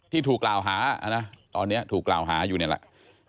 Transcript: ที่ถูกกล่าวหานะตอนนี้ถูกกล่าวหาอยู่นี่แหละ